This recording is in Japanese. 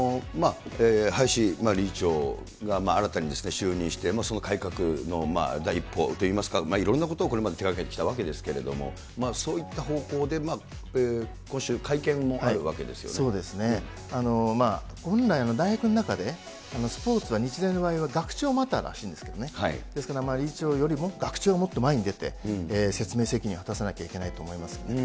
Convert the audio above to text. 林理事長が新たに就任して、その改革の第一歩といいますか、いろんなことを今まで手がけてきたわけですけれども、そういった方向で、そうですね、本来、大学の中で、スポーツは、日大の場合は、学長マターらしいんですけどね、ですから、理事長よりも学長がもっと前に出て、説明責任を果たさなきゃいけないと思いますね。